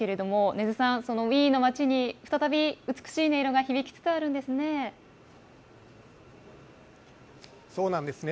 禰津さん、ウィーンの街に再び美しい音色が響きつつありますね。